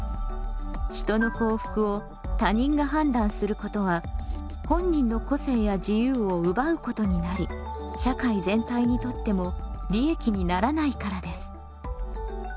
人の幸福を他人が判断することは本人の個性や自由を奪うことになり社会全体にとっても利益にならないからです。